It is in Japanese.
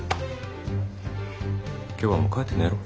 今日はもう帰って寝ろ。